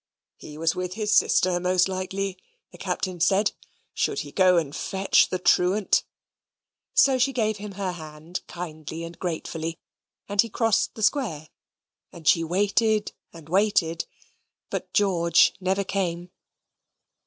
"He was with his sister, most likely," the Captain said. "Should he go and fetch the truant?" So she gave him her hand kindly and gratefully: and he crossed the square; and she waited and waited, but George never came.